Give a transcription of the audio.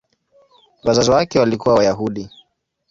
Wazazi wake walikuwa Wayahudi.